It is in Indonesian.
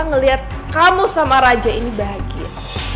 ngelihat kamu sama raja ini bahagia